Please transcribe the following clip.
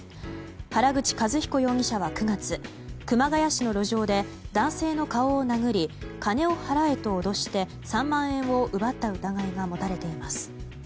原口一彦容疑者は９月熊谷市の路上で男性の顔を殴り金を払えなどと脅して３万円を奪った疑いが持たれています。